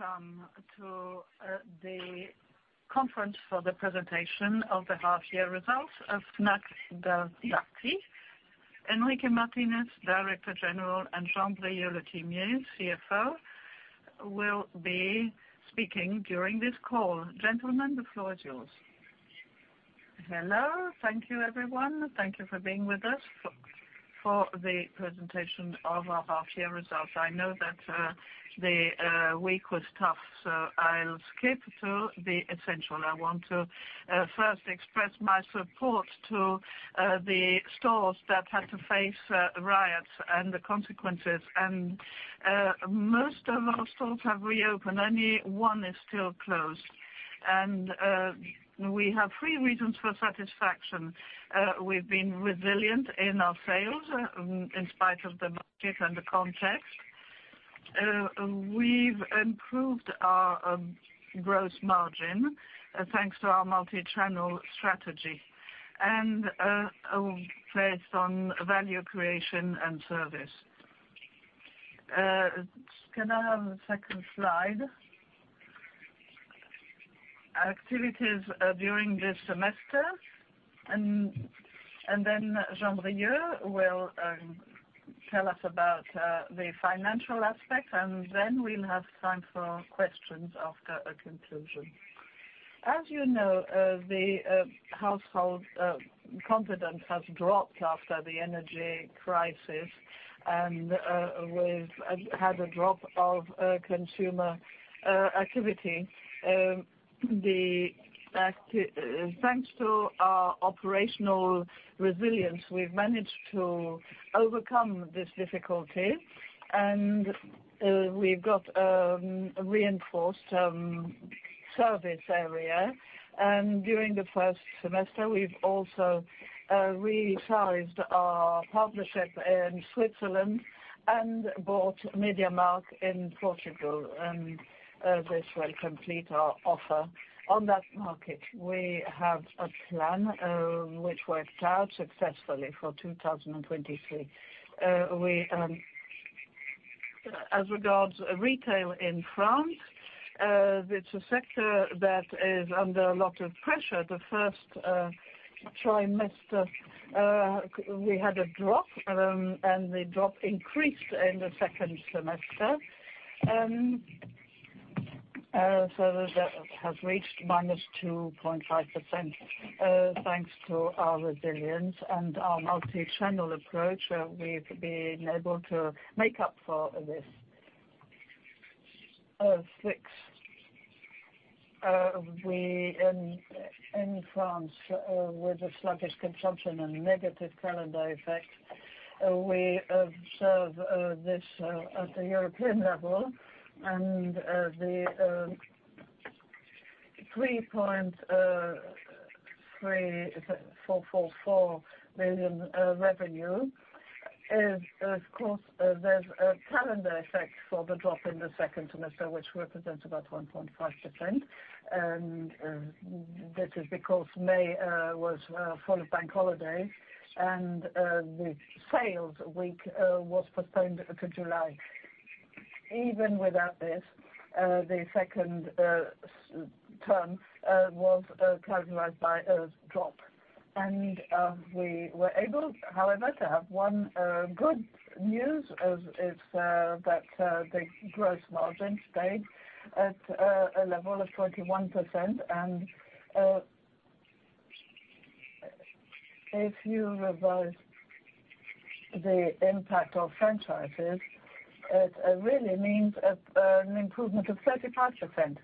Welcome to the conference for the presentation of the half year results of Fnac Darty. Enrique Martinez, Director General, and Jean-Brieuc Le Tinier, CFO, will be speaking during this call. Gentlemen, the floor is yours. Hello. Thank you, everyone. Thank you for being with us for the presentation of our half year results. I know that the week was tough. I'll skip to the essential. I want to first express my support to the stores that had to face riots and the consequences. Most of our stores have reopened. Only one is still closed. We have three reasons for satisfaction. We've been resilient in our sales in spite of the market and the context. We've improved our gross margin thanks to our multi-channel strategy, based on value creation and service. Can I have the second slide? Our activities during this semester, then Jean-Brieuc will tell us about the financial aspect, then we'll have time for questions after a conclusion. As you know, the household confidence has dropped after the energy crisis, we've had a drop of consumer activity. Thanks to our operational resilience, we've managed to overcome this difficulty, we've got a reinforced service area. During the first semester, we've also resized our partnership in Switzerland and bought MediaMarkt in Portugal, this will complete our offer on that market. We have a plan which worked out successfully for 2023. We, as regards retail in France, it's a sector that is under a lot of pressure. The first trimester, we had a drop, and the drop increased in the second semester. That has reached -2.5%. Thanks to our resilience and our multi-channel approach, we've been able to make up for this. We in France, with a sluggish consumption and negative calendar effect, we serve this at the European level. The EUR 3.344 million revenue is, of course, there's a calendar effect for the drop in the second semester, which represents about 1.5%. This is because May was full of bank holidays, the sales week was postponed to July. Even without this, the second term was characterized by a drop. We were able, however, to have one good news, is that the gross margin stayed at a level of 21%. If you revise the impact of franchises, it really means an improvement of 35%,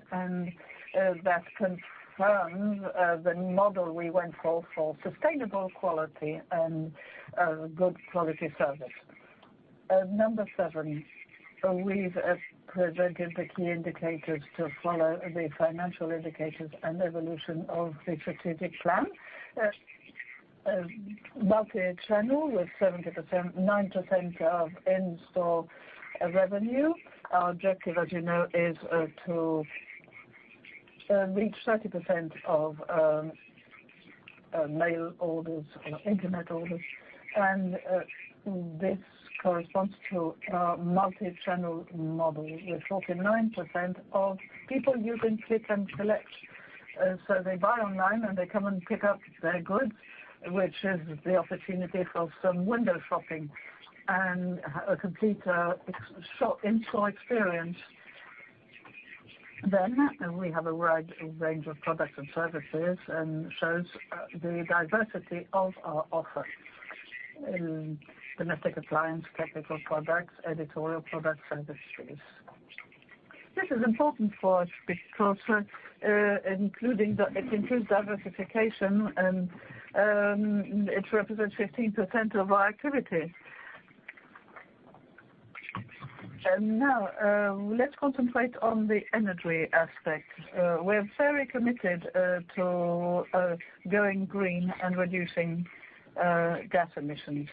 that confirms the model we went for, for sustainable quality and good quality service. Number seven, we've presented the key indicators to follow the financial indicators and evolution of the strategic plan. Multi-channel with 9% of in-store revenue. Our objective, as you know, is to reach 30% of mail orders, internet orders, this corresponds to our multi-channel model, with 49% of people using Click & Collect. They buy online, and they come and pick up their goods, which is the opportunity for some window shopping and a complete shop in-store experience. We have a wide range of products and services and shows the diversity of our offer in Domestic Appliances, Technical Products, editorial products, and services. This is important for us because it includes diversification, and it represents 15% of our activity. Let's concentrate on the energy aspect. We're very committed to going green and reducing gas emissions.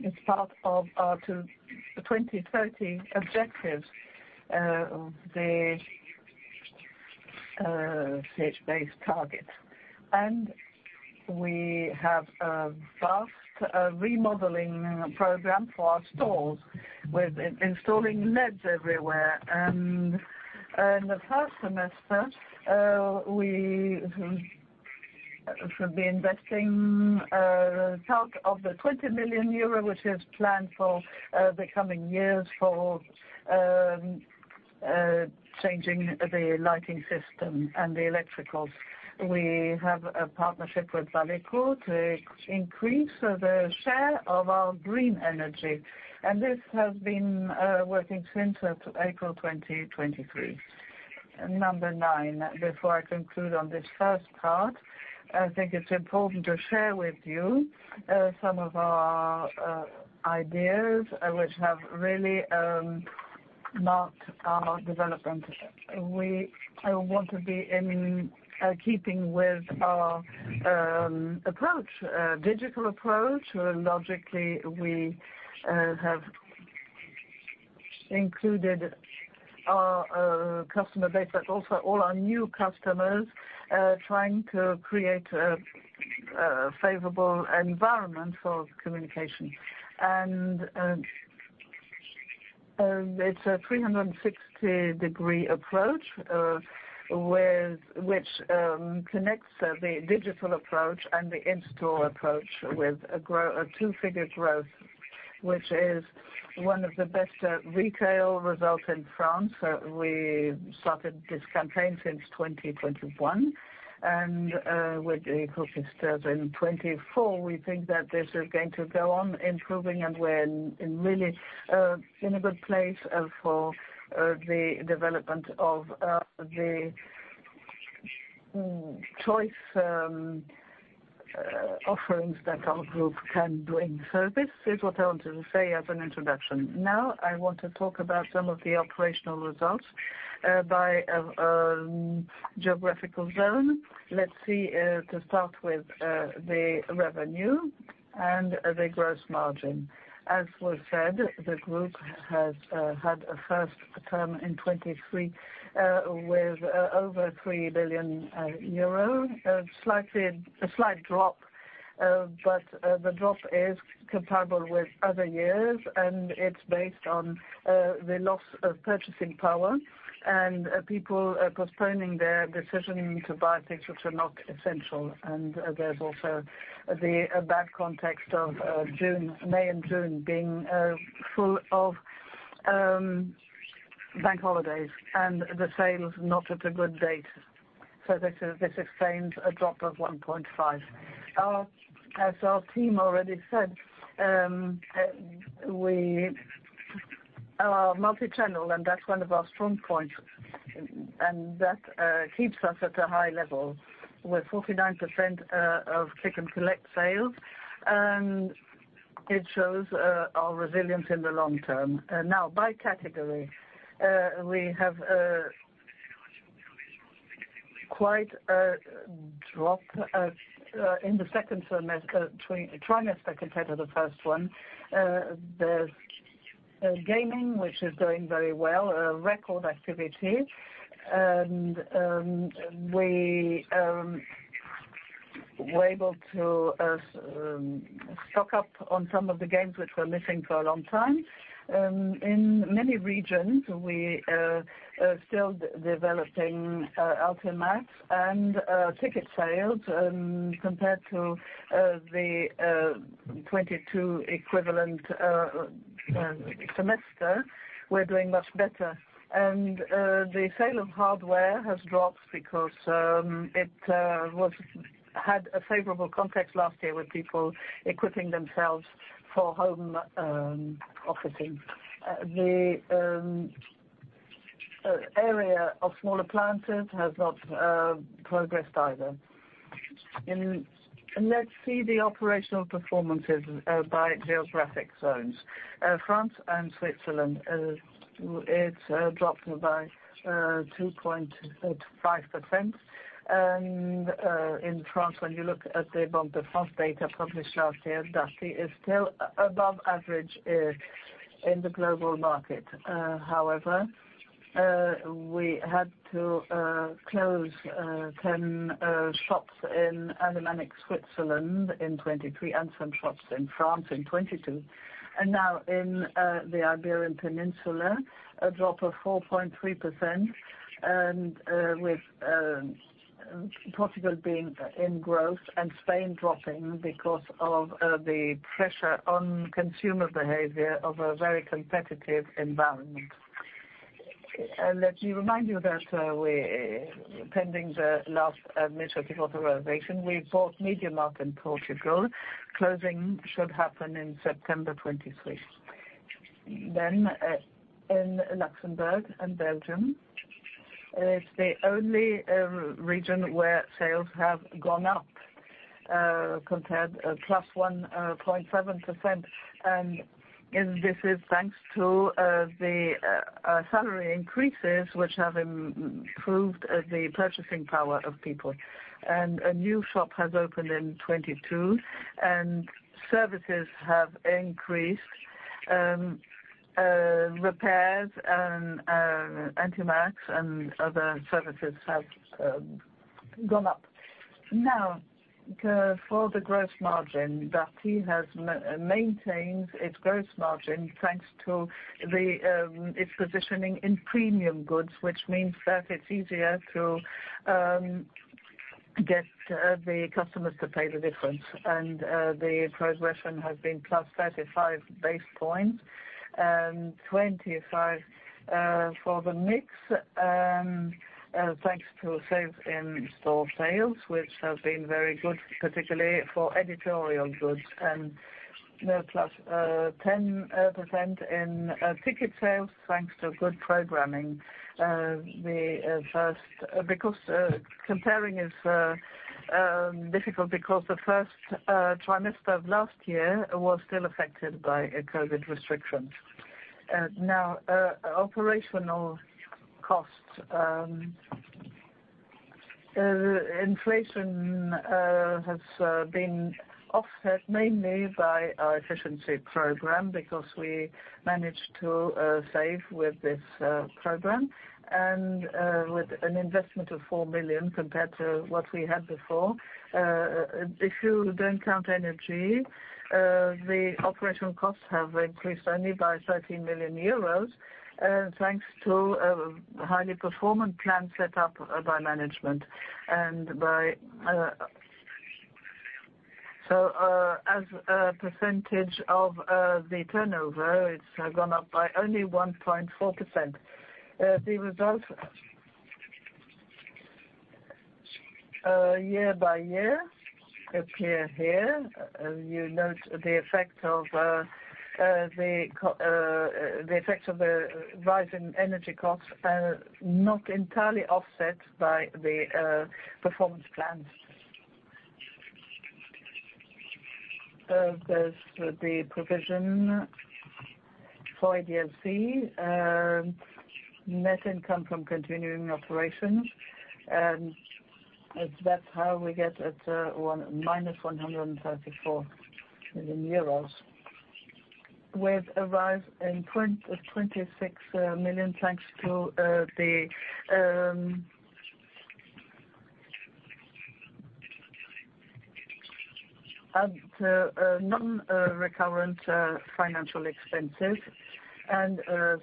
It's part of our 2030 objectives. Science-based target. We have a vast remodeling program for our stores with installing LEDs everywhere. In the first semester, we should be investing part of the 20 million euro, which is planned for the coming years for changing the lighting system and the electricals. We have a partnership with Valeco to increase the share of our green energy, and this has been working since April 2023. Number 9, before I conclude on this first part, I think it's important to share with you some of our ideas which have really marked our development. We want to be in keeping with our digital approach. Logically, we have included our customer base, but also all our new customers, trying to create a favorable environment for communication. It's a 360-degree approach, which connects the digital approach and the in-store approach with a 2-figure growth, which is one of the best retail results in France. We started this campaign since 2021, and with the hope is still in 2024, we think that this is going to go on improving, and we're in, in really, in a good place, for the development of the choice offerings that our group can bring. This is what I wanted to say as an introduction. Now, I want to talk about some of the operational results, by geographical zone. Let's see, to start with, the revenue and the gross margin. As was said, the group has had a first term in 2023 with over 3 billion euro slightly, a slight drop, but the drop is comparable with other years, and it's based on the loss of purchasing power and people postponing their decision to buy things which are not essential. There's also the bad context of June, May and June being full of bank holidays and the sales not at a good date. This explains a drop of 1.5. Our, as our team already said, we are multi-channel, and that's one of our strong points, and that keeps us at a high level with 49% of Click & Collect sales, and it shows our resilience in the long term. Now, by category, we have quite a drop in the second semester, tri-trimester compared to the first one. There's gaming, which is doing very well, a record activity. We're able to stock up on some of the games which were missing for a long time. In many regions, we are still developing uncertain and ticket sales. Compared to the 2022 equivalent semester, we're doing much better. The sale of hardware has dropped because it was had a favorable context last year with people equipping themselves for home offices. The area of smaller planters has not progressed either. Let's see the operational performances by geographic zones. France and Switzerland, it's dropped by 2.5%. In France, when you look at the Banque de France data published last year, Darty is still above average in the global market. However, we had to close 10 shops in Alemannic, Switzerland in 2023, and some shops in France in 2022. Now in the Iberian Peninsula, a drop of 4.3% with Portugal being in growth and Spain dropping because of the pressure on consumer behavior of a very competitive environment. Let me remind you that we, pending the last administrative authorization, we bought MediaMarkt in Portugal. Closing should happen in September 2023. In Luxembourg and Belgium, it's the only region where sales have gone up, compared +1.7%, and this is thanks to the salary increases, which have improved the purchasing power of people. A new shop has opened in 2022, and services have increased, repairs and Darty Max and other services have gone up. For the gross margin, Darty has maintained its gross margin, thanks to its positioning in premium goods, which means that it's easier to get the customers to pay the difference. The progression has been +35 basis points, and 25 for the mix, thanks to sales in store sales, which have been very good, particularly for editorial products, and +10% in ticket sales, thanks to good programming. Because comparing is difficult, the first trimester of last year was still affected by a COVID restriction. Operational costs inflation has been offset mainly by our efficiency program, because we managed to save with this program. With an investment of 4 million compared to what we had before, if you don't count energy, the operational costs have increased only by 13 million euros, thanks to a highly performant plan set up by management. By. As a percentage of the turnover, it's gone up by only 1.4%. The results year by year appear here. You note the effect of the rise in energy costs are not entirely offset by the performance plans. There's the provision for IDFC, net income from continuing operations, and that's how we get at minus 134 million euros, with a rise in point of 26 million, thanks to the non-recurrent financial expenses. Selling Daphni Purple.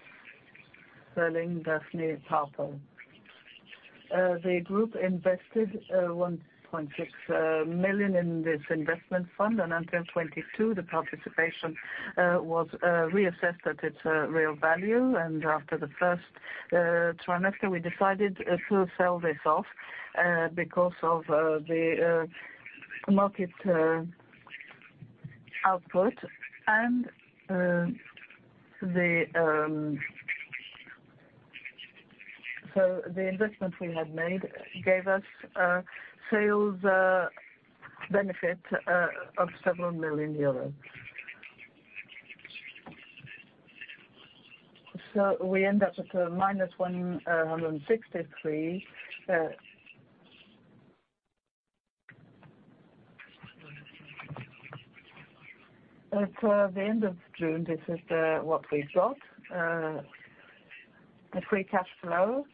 The group invested 1.6 million in this investment fund, and until 2022, the participation was reassessed at its real value. After the first trimester, we decided to sell this off because of the market output. The investment we had made gave us sales benefit of several million EUR. We end up with EUR -163 million. At the end of June, this is what we've got. The free cash flow,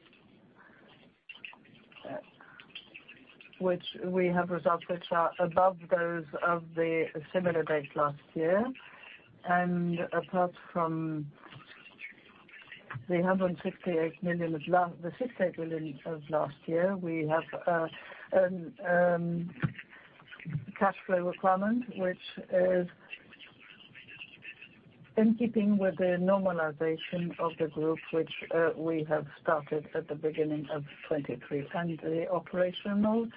which we have results which are above those of the similar date last year. million of last year, we have a cash flow requirement, which is in keeping with the normalization of the group, which we have started at the beginning of 2023, and the operational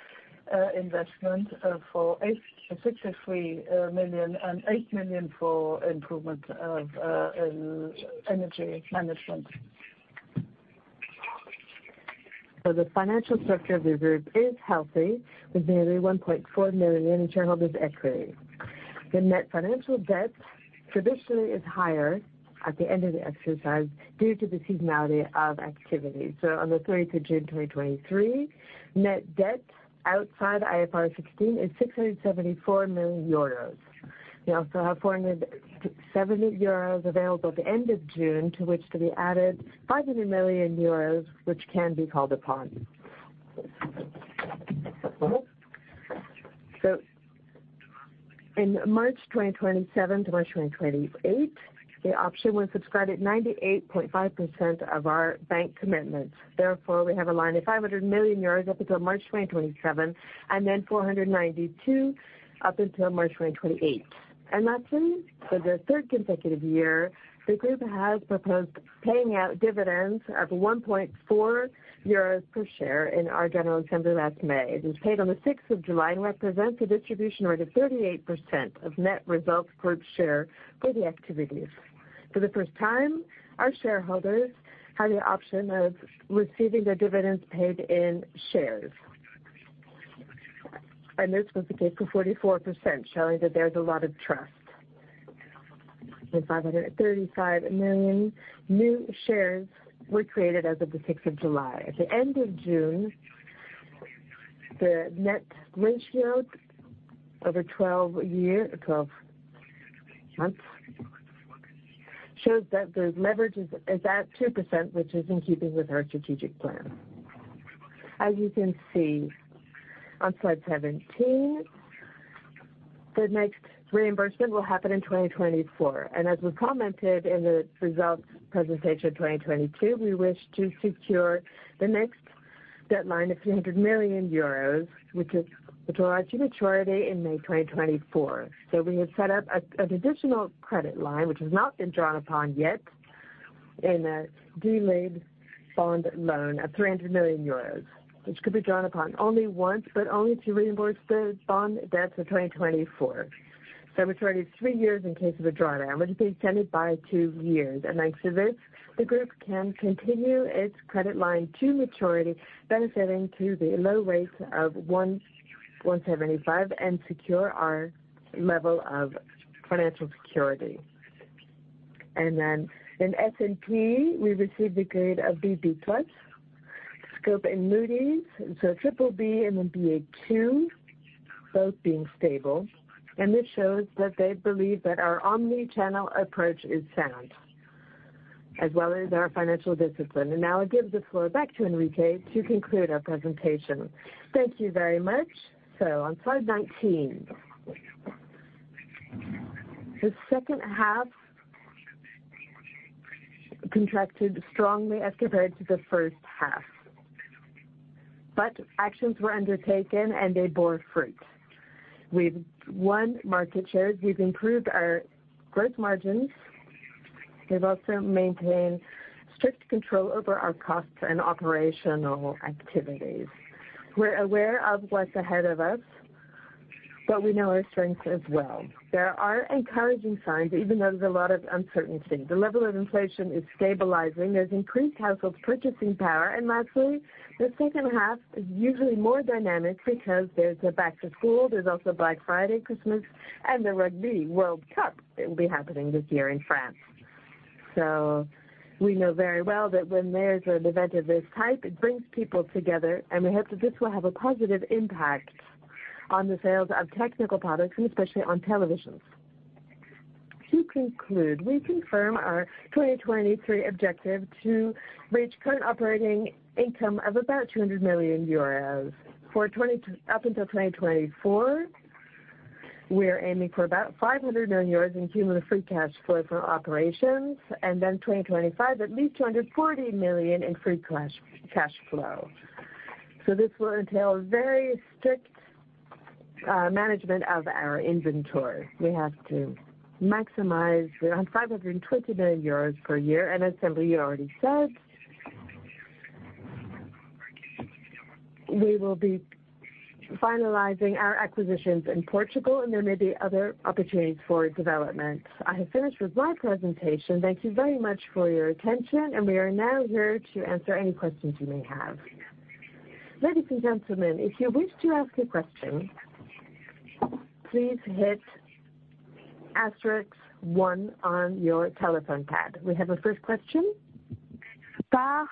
investment for 863 million and 8 million for improvement in energy management The financial structure of the group is healthy, with nearly 1.4 million in Shareholders' Equity. The Net Financial Debt traditionally is higher at the end of the exercise due to the seasonality of activity. On 30 June 2023, Net Financial Debt outside IFRS 16 is 674 million euros. We also have 470 euros available at the end of June, to which to be added 500 million euros, which can be called upon. In March 2027 to March 2028, the option was subscribed at 98.5% of our bank commitments. We have a line of 500 million euros up until March 2027, and 492 up until March 2028. Lastly, for the third consecutive year, the group has proposed paying out dividends of 1.4 euros per share in our General Meeting last May. It was paid on the sixth of July and represents a distribution rate of 38% of net results per share for the activities. For the first time, our shareholders had the option of receiving their dividends paid in shares. This was the case for 44%, showing that there's a lot of trust. The 535 million new shares were created as of the sixth of July. The Net Financial Debt over 12 months shows that the leverage is at 2%, which is in keeping with our strategic plan. As you can see on slide 17, the next reimbursement will happen in 2024. As we commented in the results presentation 2022, we wish to secure the next debt line of 300 million euros, which will arrive to maturity in May 2024. We have set up an additional credit line, which has not been drawn upon yet, in a delayed bond loan of 300 million euros, which could be drawn upon only once, but only to reimburse the bond debts for 2024. Maturity is 3 years in case of a drawdown, which has been extended by 2 years. Thanks to this, the group can continue its credit line to maturity, benefiting to the low rate of 1.75%, and secure our level of financial security. In S&P, we received a grade of BB+, Scope Ratings and Moody's, BBB and Ba2, both being stable. This shows that they believe that our omnichannel approach is sound, as well as our financial discipline. Now I give the floor back to Enrique to conclude our presentation. Thank you very much. On slide 19. The second half contracted strongly as compared to the first half. Actions were undertaken, they bore fruit. We've won market shares, we've improved our gross margins. We've also maintained strict control over our costs and operational activities. We're aware of what's ahead of us. We know our strengths as well. There are encouraging signs, even though there's a lot of uncertainty. The level of inflation is stabilizing. There's increased household purchasing power. Lastly, the second half is usually more dynamic because there's a back to school, there's also Black Friday, Christmas, and the Rugby World Cup that will be happening this year in France. We know very well that when there's an event of this type, it brings people together, and we hope that this will have a positive impact on the sales of Technical Products, and especially on televisions. To conclude, we confirm our 2023 objective to reach current operating income of about 200 million euros. Up until 2024, we're aiming for about 500 million euros in cumulative free cash flow from operations, and then 2025, at least 240 million in free cash flow. This will entail very strict management of our inventory. We have to maximize around 520 million euros per year. As Henry already said, we will be finalizing our acquisitions in Portugal, and there may be other opportunities for development. I have finished with my presentation. Thank you very much for your attention, we are now here to answer any questions you may have. Ladies and gentlemen, if you wish to ask a question, please hit star one on your telephone pad. We have a first question. From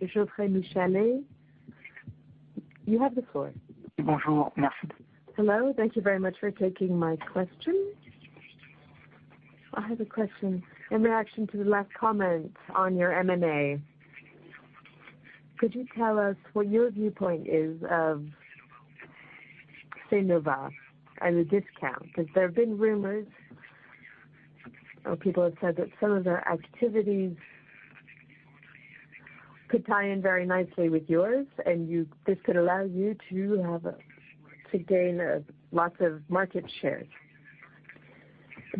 Geoffroy Michalet. You have the floor. Hello. Thank you very much for taking my question. I have a question in reaction to the last comments on your M&A. Could you tell us what your viewpoint is of Ceconomy at a discount? There have been rumors, or people have said that some of their activities could tie in very nicely with yours, this could allow you to gain lots of market share.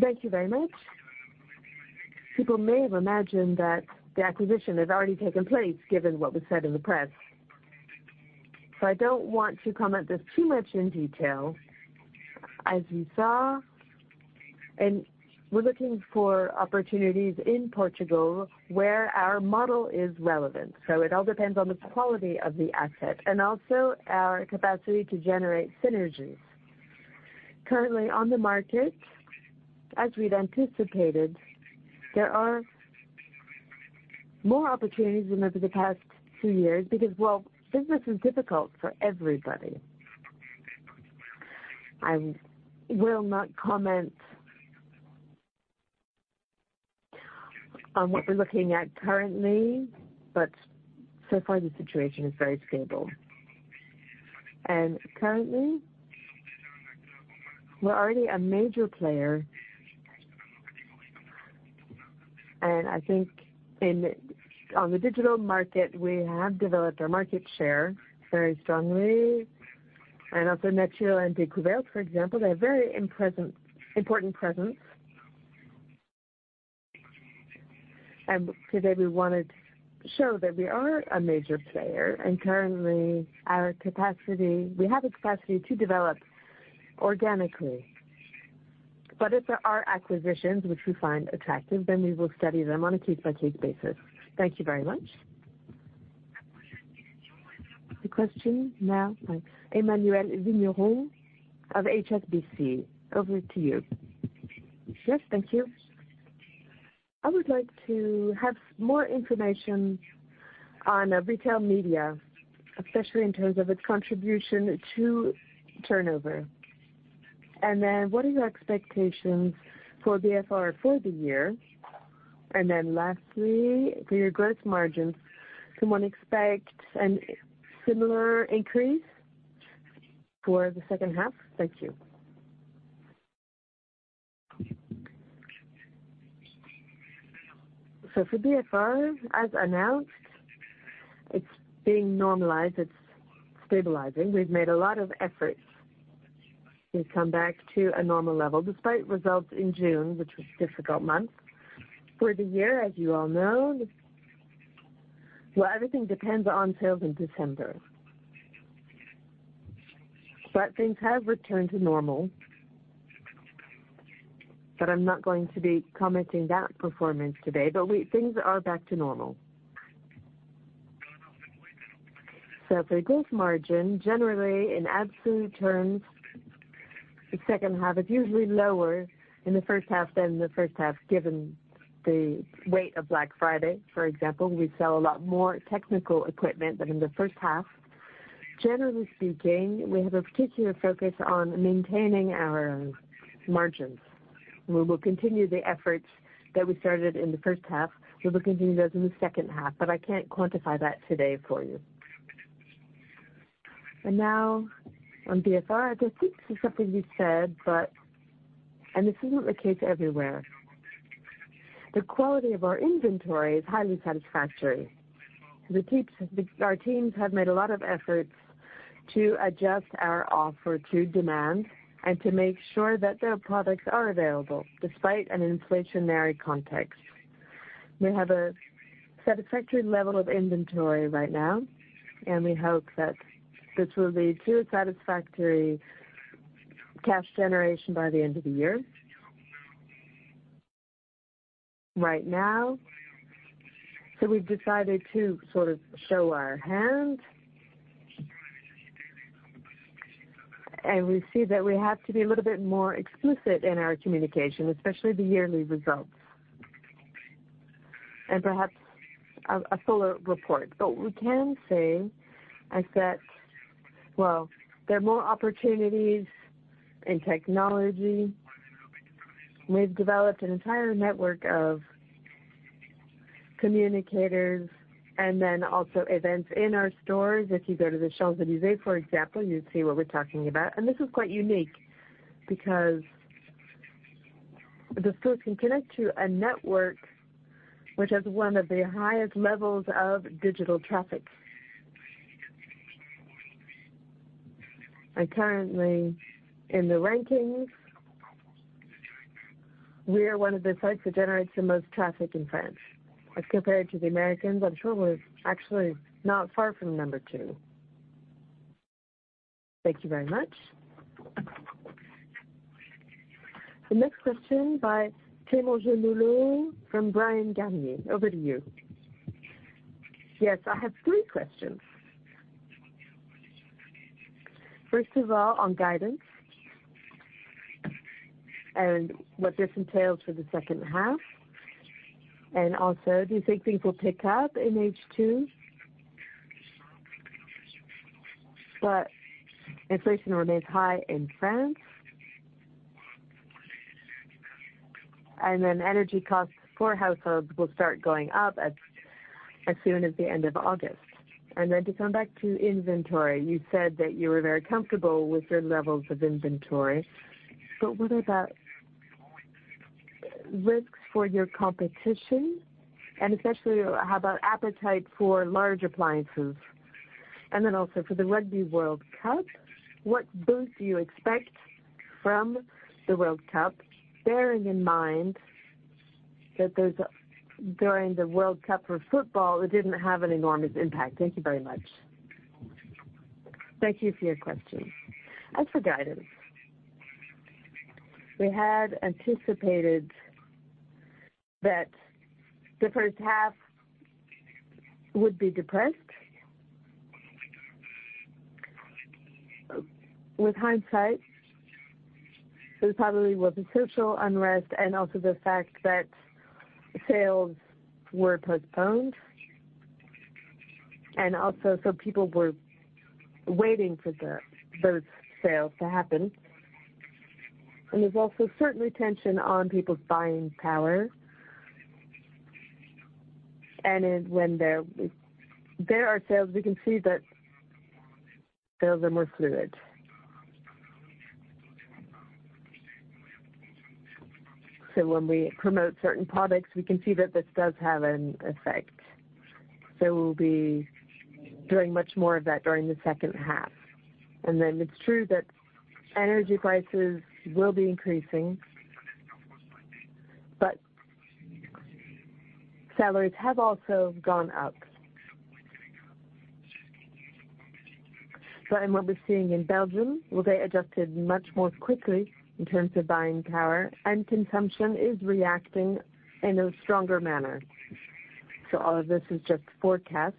Thank you very much. People may have imagined that the acquisition has already taken place, given what was said in the press. I don't want to comment this too much in detail. As you saw, we're looking for opportunities in Portugal where our model is relevant. It all depends on the quality of the asset and also our capacity to generate synergies. Currently, on the market, as we'd anticipated, there are more opportunities than over the past few years because, well, business is difficult for everybody. I will not comment on what we're looking at currently, but so far the situation is very stable. Currently, we're already a major player. I think on the digital market, we have developed our market share very strongly. Also Nature & Découvertes, for example, they have very important presence. Today, we wanted to show that we are a major player, and currently we have a capacity to develop organically. If there are acquisitions which we find attractive, then we will study them on a case-by-case basis. Thank you very much. The question now by Emmanuel Tiberghien of HSBC. Over to you. Yes, thank you. I would like to have more information on retail media, especially in terms of its contribution to turnover. What are your expectations for BFR for the year? Lastly, for your gross margins, can one expect an similar increase for the second half? Thank you. For BFR, as announced, it's being normalized, it's stabilizing. We've made a lot of efforts to come back to a normal level, despite results in June, which was a difficult month. For the year, as you all know, well, everything depends on sales in December. Things have returned to normal, but I'm not going to be commenting that performance today, but things are back to normal. For gross margin, generally, in absolute terms, the second half is usually lower in the first half than the first half, given the weight of Black Friday. For example, we sell a lot more technical equipment than in the first half. Generally speaking, we have a particular focus on maintaining our margins. We will continue the efforts that we started in the first half. We will continue those in the second half, but I can't quantify that today for you. Now on BFR, I think this is something you said. This isn't the case everywhere. The quality of our inventory is highly satisfactory. The teams, our teams have made a lot of efforts to adjust our offer to demand and to make sure that their products are available despite an inflationary context. We have a satisfactory level of inventory right now, and we hope that this will lead to a satisfactory cash generation by the end of the year. Right now, we've decided to sort of show our hand. We see that we have to be a little bit more explicit in our communication, especially the yearly results, and perhaps a fuller report. We can say is that, well, there are more opportunities in technology. We've developed an entire network of communicators and then also events in our stores. If you go to the Champs-Élysées, for example, you'd see what we're talking about. This is quite unique because the stores can connect to a network which has one of the highest levels of digital traffic. Currently, in the rankings, we are one of the sites that generates the most traffic in France. As compared to the Americans, I'm sure we're actually not far from number two. Thank you very much. The next question by Clément Genelot from Bryan Garnier. Over to you. Yes, I have three questions. First of all, on guidance and what this entails for the second half, and also, do you think things will pick up in H2? Inflation remains high in France, and then energy costs for households will start going up as soon as the end of August. To come back to inventory, you said that you were very comfortable with your levels of inventory, but what about risks for your competition, and especially, how about appetite for large appliances? Also for the Rugby World Cup, what boost do you expect from the World Cup, bearing in mind that during the World Cup for football, it didn't have an enormous impact. Thank you very much. Thank you for your question. As for guidance, we had anticipated that the first half would be depressed. With hindsight, it probably was a social unrest and also the fact that sales were postponed, and also so people were waiting for those sales to happen. There's also certainly tension on people's buying power. When there are sales, we can see that sales are more fluid. When we promote certain products, we can see that this does have an effect. We'll be doing much more of that during the second half. It's true that energy prices will be increasing, but salaries have also gone up. In what we're seeing in Belgium, will get adjusted much more quickly in terms of buying power, and consumption is reacting in a stronger manner. All of this is just forecasts.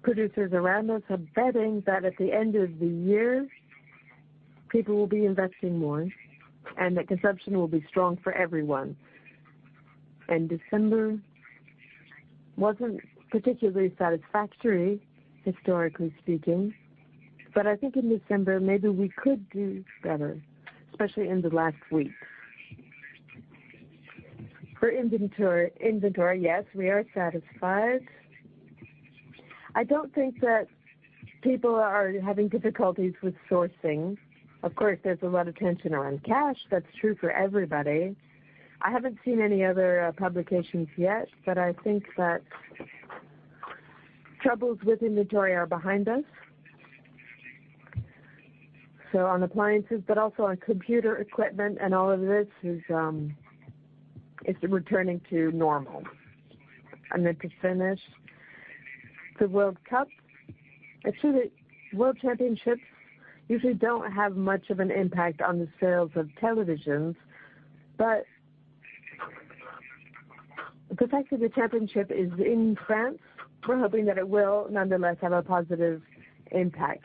producers around us are betting that at the end of the year, people will be investing more, and that consumption will be strong for everyone. December wasn't particularly satisfactory, historically speaking, but I think in December, maybe we could do better, especially in the last week. For inventory, yes, we are satisfied. I don't think that people are having difficulties with sourcing. Of course, there's a lot of tension around cash. That's true for everybody. I haven't seen any other publications yet, but I think that troubles with inventory are behind us. On appliances, but also on computer equipment, and all of this is, it's returning to normal. To finish, the World Cup. Actually, World Championships usually don't have much of an impact on the sales of televisions. The fact that the championship is in France, we're hoping that it will nonetheless have a positive impact.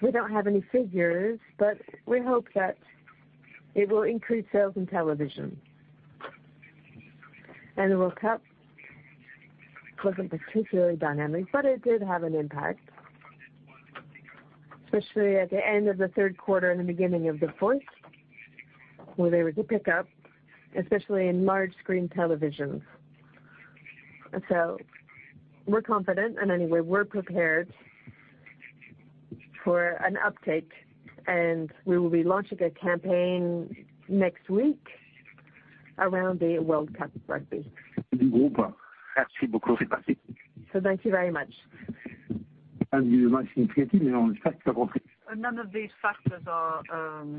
We don't have any figures, but we hope that it will increase sales in television. The World Cup wasn't particularly dynamic, but it did have an impact, especially at the end of the third quarter and the beginning of the fourth, where there was a pickup, especially in large screen televisions. We're confident, and anyway, we're prepared for an uptick, and we will be launching a campaign next week around the World Cup rugby. Thank you very much. You mentioned creative factors. None of these factors are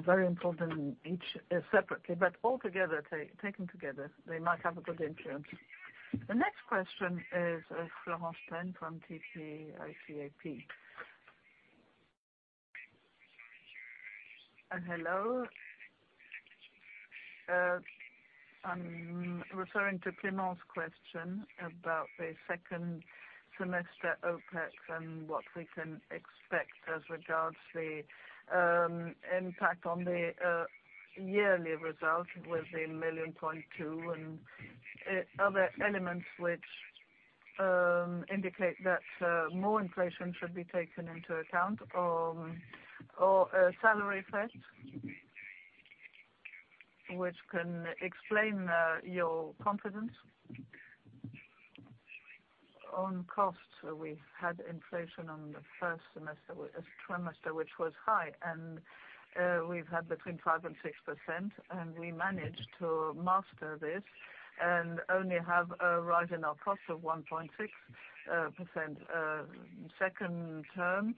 very important each separately, but altogether, taken together, they might have a good influence. The next question is Florence Pen from TP ICAP. Hello. I'm referring to Clément's question about the second semester OPEX and what we can expect as regards the impact on the yearly result with the million point two, and other elements which indicate that more inflation should be taken into account or a salary effect, which can explain your confidence? On costs, we had inflation on the first trimester, which was high, and we've had between 5% and 6%, and we managed to master this and only have a rise in our cost of 1.6%. Second term,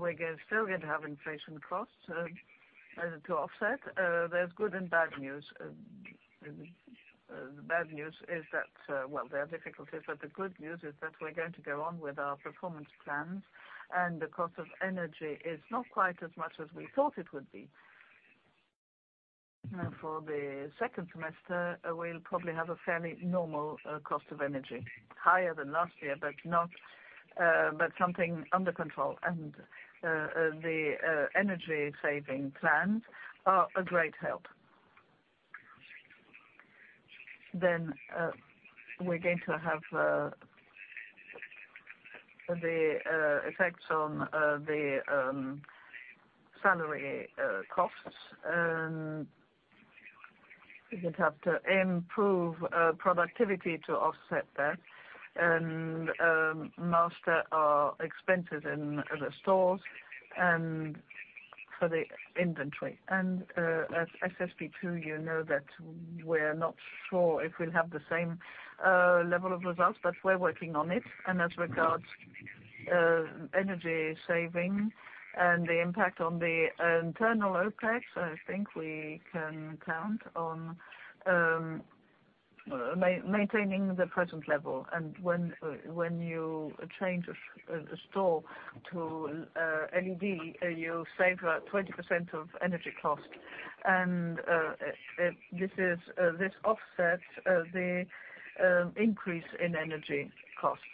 we're still going to have inflation costs to offset. There's good and bad news. The bad news is that, well, there are difficulties, but the good news is that we're going to go on with our performance plans, and the cost of energy is not quite as much as we thought it would be. For the second semester, we'll probably have a fairly normal cost of energy, higher than last year, but not something under control, and the energy saving plans are a great help. We're going to have the effects on the salary costs, and we would have to improve productivity to offset that and master our expenses in the stores and for the inventory. At SSP2, you know that we're not sure if we'll have the same level of results, we're working on it. As regards energy saving and the impact on the internal OPEX, I think we can count on maintaining the present level. When you change a store to LED, you save about 20% of energy cost. This is this offsets the increase in energy costs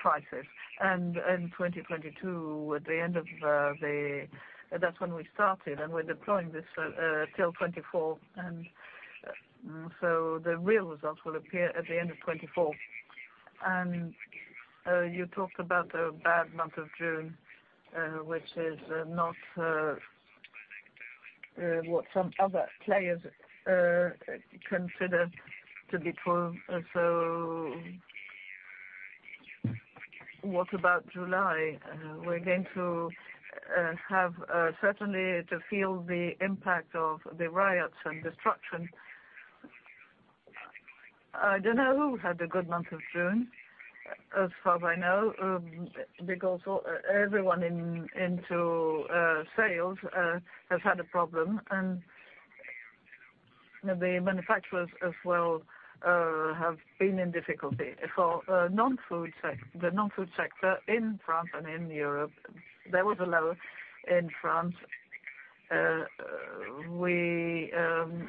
prices. In 2022, at the end of, that's when we started, we're deploying this till 2024, the real results will appear at the end of 2024. You talked about the bad month of June, which is not what some other players consider to be true. What about July? We're going to have certainly to feel the impact of the riots and destruction. I don't know who had a good month of June, as far as I know, because everyone in, into sales has had a problem, and the manufacturers as well have been in difficulty. For the non-food sector in France and in Europe, there was a lull in France. We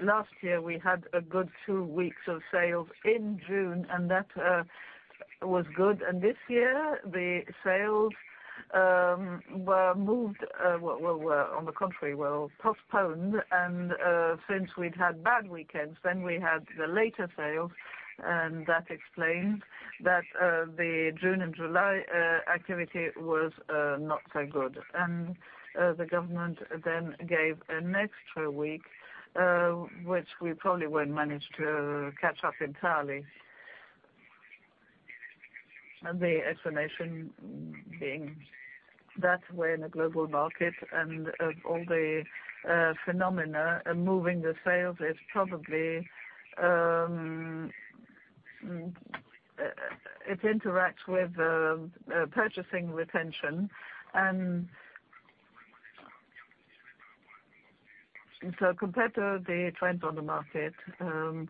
last year we had a good 2 weeks of sales in June, and that was good. This year, the sales were moved, were on the contrary, postponed. Since we'd had bad weekends, then we had the later sales, and that explained that the June and July activity was not so good. The government then gave an extra week, which we probably won't manage to catch up entirely. The explanation being that we're in a global market, and all the phenomena and moving the sales is probably, it interacts with the purchasing retention. Compared to the trend on the market, France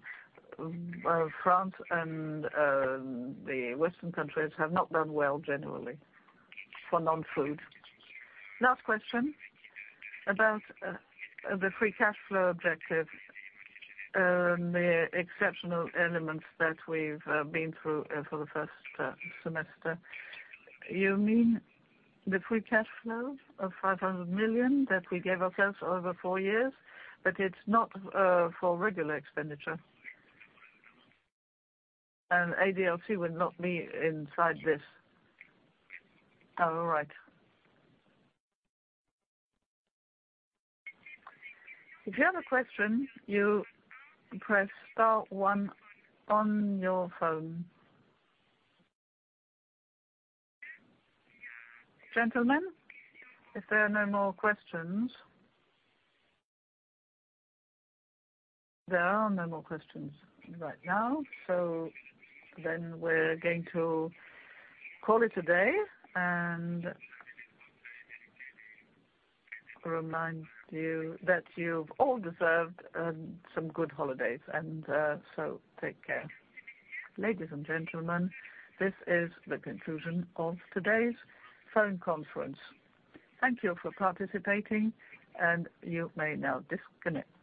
and the Western countries have not done well generally for non-food. Last question, about the free cash flow objective, the exceptional elements that we've been through for the first semester. You mean the free cash flow of 500 million that we gave ourselves over four years, but it's not for regular expenditure? ADL will not be inside this. All right. If you have a question, you press star one on your phone. Gentlemen, if there are no more questions? There are no more questions right now, we're going to call it a day and remind you that you've all deserved some good holidays, take care. Ladies and gentlemen, this is the conclusion of today's phone conference. Thank you for participating, you may now disconnect.